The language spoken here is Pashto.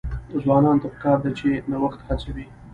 ځوانانو ته پکار ده چې، نوښت هڅوي.